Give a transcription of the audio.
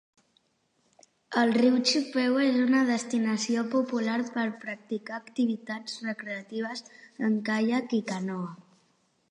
El riu Chippewa és una destinació popular per a practicar activitats recreatives en caiac i canoa.